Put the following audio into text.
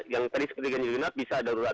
yang teri seperti ibu kota bisa darurat